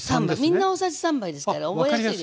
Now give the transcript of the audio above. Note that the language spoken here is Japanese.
みんな大さじ３杯ですから覚えやすいでしょ。